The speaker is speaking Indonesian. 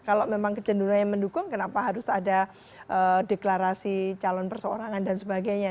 kalau memang kecenderungannya mendukung kenapa harus ada deklarasi calon perseorangan dan sebagainya